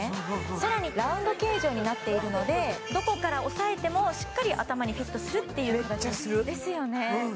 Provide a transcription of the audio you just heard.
さらにラウンド形状になっているのでどこから押さえてもしっかり頭にフィットするっていうめっちゃするですよね